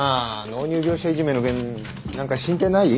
納入業者いじめの件何か進展ない？